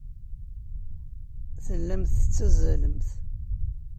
Tellamt tettazzalemt.